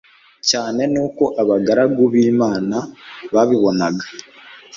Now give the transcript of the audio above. cyane n uko abagaragu b imana babibonaga